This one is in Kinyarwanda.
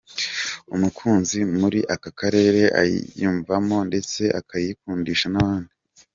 umuziki muri aka karere ayiyumvamo ndetse akayikundisha nabandi.